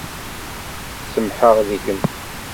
Semmḥeɣ deg-m.